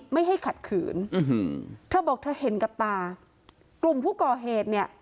ไม่ให้ขัดขืนเธอบอกเธอเห็นกับตากลุ่มผู้ก่อเหตุเนี่ย